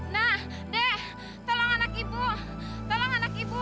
nah deh tolong anak ibu tolong anak ibu